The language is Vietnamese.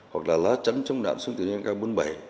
hoặc là lá chấn chống đạn súng tiểu liên ak bốn mươi bảy